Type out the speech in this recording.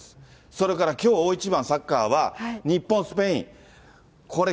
それからきょう大一番、サッカーは、日本・スペイン。